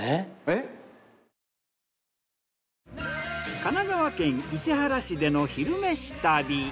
神奈川県伊勢原市での「昼めし旅」。